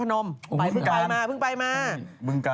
เพิ่งไปมาบึงกานเนอะ